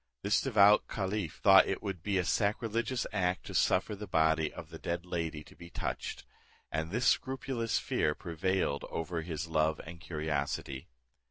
This devout caliph thought it would be a sacrilegious act to suffer the body of the dead lady to be touched; and this scrupulous fear prevailed over his love and curiosity.